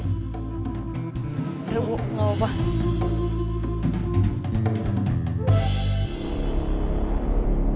nggak ada bu gak apa apa